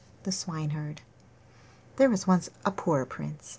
THE SWINEHERD There was once a poor Prince.